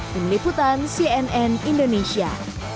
meliputan cnn indonesia